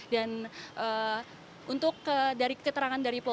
dan untuk dari keterangan daripada